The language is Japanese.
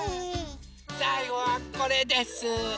さいごはこれです。